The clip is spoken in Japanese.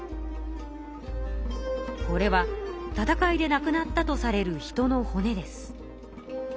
これは戦いでなくなったとされる人の骨です。